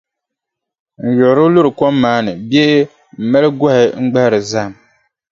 N-yiɣiri luri kom maa ni bee m-mali gɔhi n-gbahiri zahim.